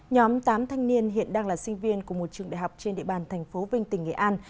nhóm tám thanh niên hiện đang là sinh viên của một trường đại học trên địa bàn thành phố vinh tỉnh nghệ an